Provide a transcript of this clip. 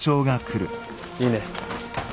いいね。